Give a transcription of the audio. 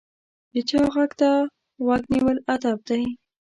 د چا غږ ته غوږ نیول ادب دی.